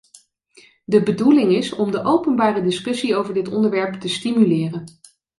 De bedoeling is om de openbare discussie over dit onderwerp te stimuleren.